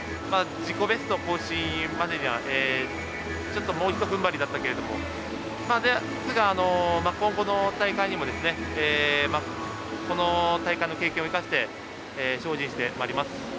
自己ベスト更新までにはちょっと、もうひとふんばりだったけれども今後の大会にもこの大会の経験を生かして精進してまいります。